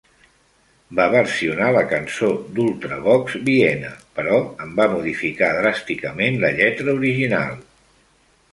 Va versionar la cançó d'Ultravox "Viena", però en va modificar dràsticament la lletra original.